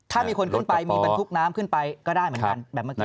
ถ้ามีคนขึ้นไปมีบรรทุกน้ำขึ้นไปก็ได้เหมือนกัน